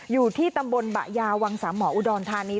อยู่ที่ตำบลบะยาวังสามหมออุดรธานี